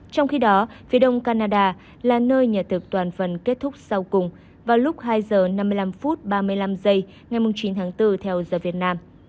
trong khi đó phía đông canada là nơi nhà thực toàn phần kết thúc sau cùng vào lúc hai h năm mươi năm phút ba mươi năm giây ngày chín tháng bốn theo giờ việt nam